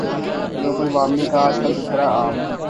global warming کا آج کل تذکرہ عام